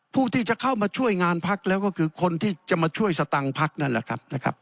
ผู้ที่จะเข้ามาช่วยงานพักแล้วก็คือคนที่จะมาช่วยสตังค์พักนั่นแหละครับนะครับ